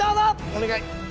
お願い。